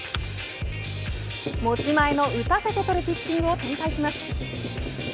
持ち前の打たせて取るピッチングを展開します。